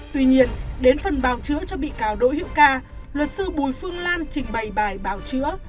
tuy nhiên đến phần bào chữa cho bị cáo đỗ hữu ca luật sư bùi phương lan trình bày bài bào chữa